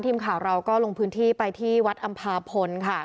ทีมข่าวเราก็ลงพื้นที่ไปที่วัดอำพาพลค่ะ